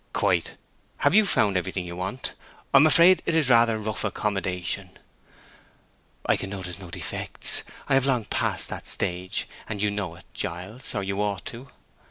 "Quite. Have you found everything you want? I am afraid it is rather rough accommodation." "Can I notice defects? I have long passed that stage, and you know it, Giles, or you ought to."